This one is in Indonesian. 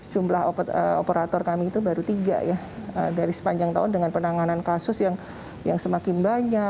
jumlah operator kami itu baru tiga ya dari sepanjang tahun dengan penanganan kasus yang semakin banyak